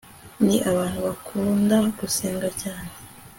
ni abantu bakunda gusenga cyane